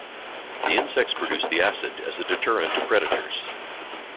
The insects produce the acid as a deterrent to predators.